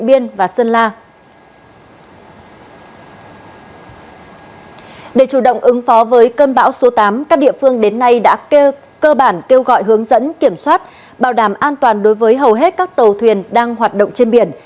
để chủ động ứng phó với cơn bão số tám các địa phương đến nay đã cơ bản kêu gọi hướng dẫn kiểm soát bảo đảm an toàn đối với hầu hết các tàu thuyền đang hoạt động trên biển